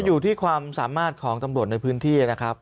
อยู่ที่ความสามารถของตำรวจในพื้นที่นะครับ